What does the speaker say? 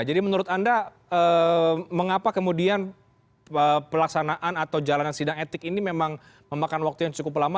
jadi menurut anda mengapa kemudian pelaksanaan atau jalanan sidang etik ini memang memakan waktu yang cukup lama